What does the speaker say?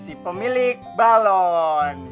si pemilik balon